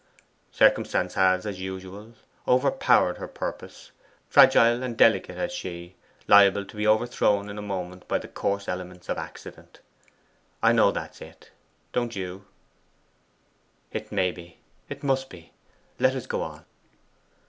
Circumstance has, as usual, overpowered her purposes fragile and delicate as she liable to be overthrown in a moment by the coarse elements of accident. I know that's it, don't you?' 'It may be it must be. Let us go on.